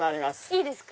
いいですか？